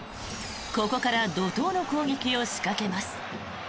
ここから怒とうの攻撃を仕掛けます。